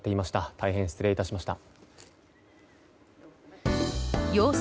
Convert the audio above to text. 大変失礼いたしました。